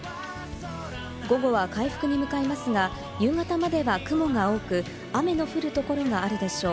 午後は回復に向かいますが、夕方までは雲が多く雨の降るところがあるでしょう。